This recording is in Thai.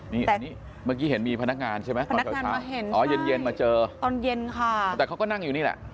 นี่เมื่อกี้เห็นมีพนักงานใช่ไหมพนักงานมาเห็นอ่ะเย็นมาเจอตอนเย็นค่ะแต่เขาก็นั่งอยู่นี่แหละ